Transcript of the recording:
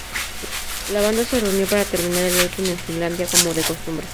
La banda se reunió para terminar el álbum en Finlandia, como de costumbre.